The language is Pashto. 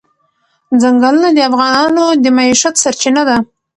ځنګلونه د افغانانو د معیشت سرچینه ده.